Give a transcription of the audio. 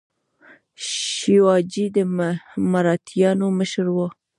شیواجي د مراتیانو مشر و.